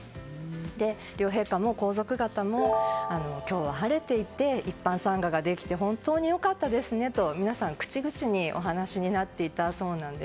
両陛下も皇族方も今日は晴れていて一般参賀ができて本当に良かったですねと皆さん口々にお話になっていたそうなんです。